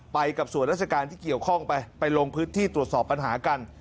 ไปกับส่วนราชการที่เกี่ยวข้องไปไปลงพื้นที่ตรวจสอบปัญหากัน